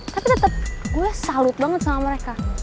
tapi tetep gue saluk banget sama mereka